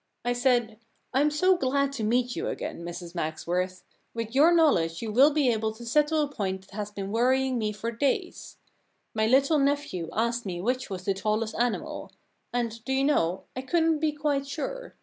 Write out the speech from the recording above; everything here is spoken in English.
* I said ;Fm so glad to meet you again, n The Problem Club Mrs Magsworth. With your knowledge you will be able to settle a point that has been worrying me for days. My little nephew asked me which was the tallest animal. And, do you know, I couldn't be quite sure."